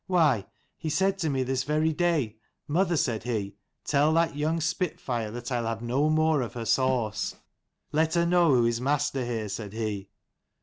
Why, he said to me this very day, Mother, said he, tell that young spitfire that I'll have no more of her sauce; let her know who is master here, said he."